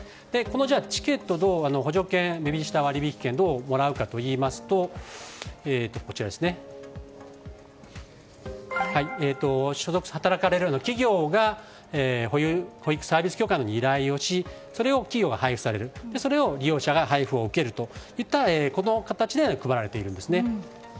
じゃあ、ベビーシッター割引券をどうもらうかといいますと働かれる企業が保育サービス協会に依頼しそれを企業が配布しそれを利用者が配布を受けるといった、この形で配られているんですね。